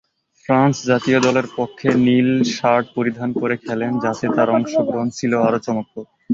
France জাতীয় দলের পক্ষে নীল শার্ট পরিধান করে খেলেন যাতে তার অংশগ্রহণ ছিল আরও চমকপ্রদ।